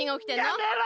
・やめろ！